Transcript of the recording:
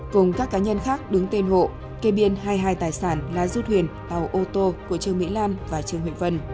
cùng các cá nhân khác đứng tên hộ kê biên hai mươi hai tài sản là du thuyền tàu ô tô của trương mỹ lan và trương huệ vân